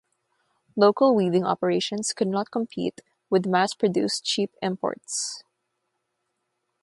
Local weaving operations could not compete with mass-produced cheap imports.